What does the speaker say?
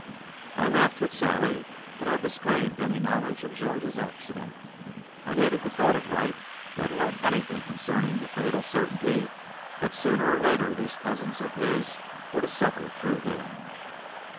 I laughed with Sally, but I disclaimed any knowledge of George's accident. I hated the thought of Wright, let alone anything concerning the fatal certainty that sooner or later these cousins of his were to suffer through him.